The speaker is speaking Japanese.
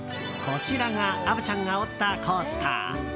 こちらが虻ちゃんが織ったコースター。